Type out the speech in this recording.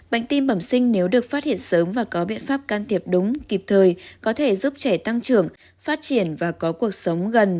bệnh tim bẩm sinh nếu được phát hiện sớm và có biện pháp can thiệp đúng kịp thời có thể giúp trẻ tăng trưởng phát triển và có cuộc sống gần